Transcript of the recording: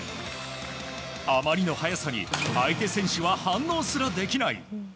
あまりの速さに相手選手は反応すらできない。